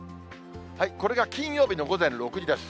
これが金曜日の午前６時です。